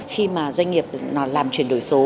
khi mà doanh nghiệp nó làm chuyển đổi số